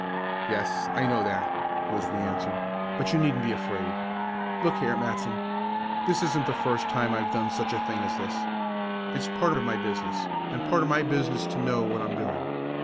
"Yes, I know that," was the answer, "but you needn't be afraid. Look here, Matson. This isn't the first time I've done such a thing as this. It's part of my business, and part of my business to know what I'm doing.